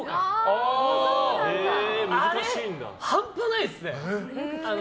あれ、半端ないですね。